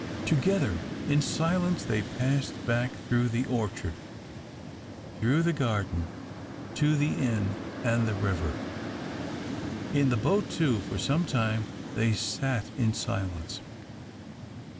Together, in silence, they passed back through the orchard, through the garden, to the inn and the river. In the boat, too, for some time they sat in silence.